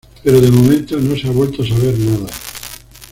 Pero, de momento, no se ha vuelto a saber nada.